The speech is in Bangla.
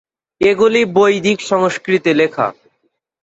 এগুলি বৈদিক সংস্কৃতে লেখা।